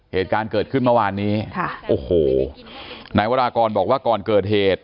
เหตุการณ์เกิดขึ้นเมื่อวานนี้ค่ะโอ้โหนายวรากรบอกว่าก่อนเกิดเหตุ